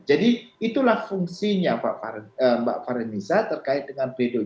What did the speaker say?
jadi itulah fungsinya mbak fareniza terkait dengan pledoi